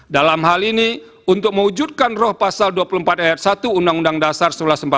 dalam hal ini untuk mewujudkan roh pasal dua puluh empat ayat satu undang undang dasar seribu sembilan ratus empat puluh lima